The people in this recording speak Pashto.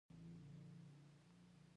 په هند کې یې سلطنتونه جوړ کړل.